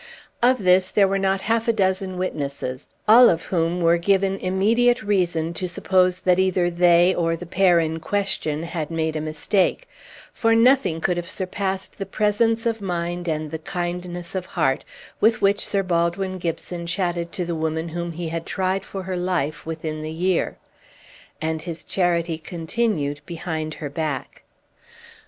Of this there were not half a dozen witnesses, all of whom were given immediate reason to suppose that either they or the pair in question had made a mistake; for nothing could have surpassed the presence of mind and the kindness of heart with which Sir Baldwin Gibson chatted to the woman whom he had tried for her life within the year. And his charity continued behind her back.